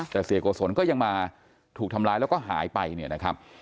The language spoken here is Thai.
แต่เสียโกศลก็ยังมาถูกทำร้ายแล้วก็หายไปเนี่ยนะครับ